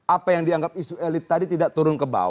apa yang dianggap isu elit tadi tidak turun ke bawah